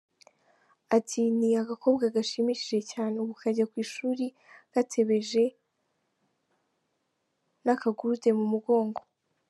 Ati “Ni agakobwa gashimishije cyane, ubu kajya ku ishuri katebeje n’akagurude mu mugongo.